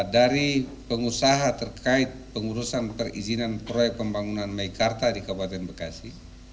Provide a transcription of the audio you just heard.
dari pengusaha terkait pengurusan perizinan proyek pembangunan meikarta di kabupaten bekasi